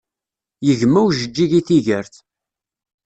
Yegma ujeǧǧig i tigert.